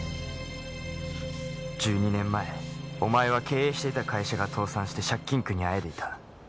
１２年前お前は経営してた会社が倒産して借金苦にあえいでいた。